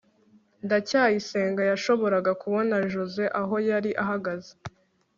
ndacyayisenga yashoboraga kubona joze aho yari ahagaze